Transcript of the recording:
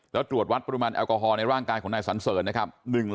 แล้วตรวจวัดปริมาณแอลกอฮอลในร่างกายของนายสันเสริญนะครับ